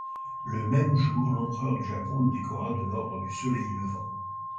Le même jour, l'empereur du Japon le décora de l'Ordre du Soleil levant.